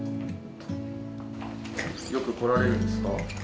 よく来られるんですか？